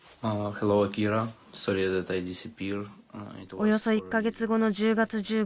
およそ１か月後の１０月１５日